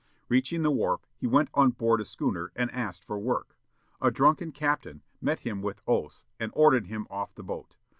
Reaching the wharf, he went on board a schooner, and asked for work. A drunken captain met him with oaths, and ordered him off the boat.